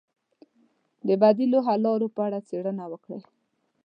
د بدیلو حل لارو په اړه څېړنه وکړئ.